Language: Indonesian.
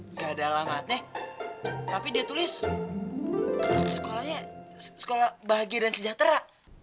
nggak ada alamatnya tapi dia tulis sekolah bahagia dan sejahtera